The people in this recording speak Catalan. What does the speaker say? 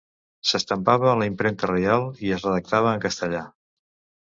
S'estampava a la Impremta Reial i es redactava en castellà.